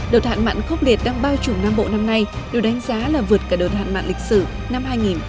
đợt hạn mạn khốc liệt đang bao trùm nam bộ năm nay đều đánh giá là vượt cả đợt hạn mạn lịch sử năm hai nghìn một mươi sáu